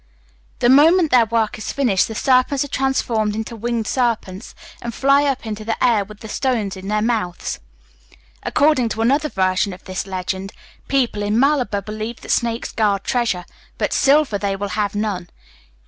The moment their work is finished, the serpents are transformed into winged serpents, and fly up into the air with the stones in their mouths." According to another version of this legend, "people in Malabar believe that snakes guard treasure. But silver they will have none.